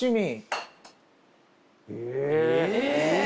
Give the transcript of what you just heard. え。